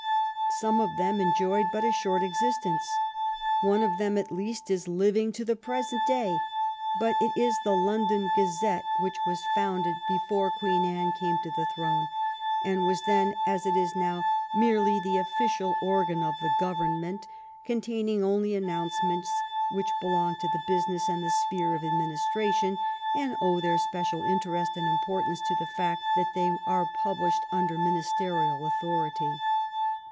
Some of them enjoyed but a short existence. One of them, at least, is living to the present day, but it is the London Gazette, which was founded before Queen Anne came to the throne, and was then, as it is now, merely the official organ of the govern ment, containing only announcements which belong to the business and the sphere of administration, and owe their special interest and importance to the fact that they are published under ministerial authority.